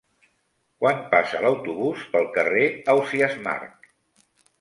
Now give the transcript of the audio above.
Quan passa l'autobús pel carrer Ausiàs Marc?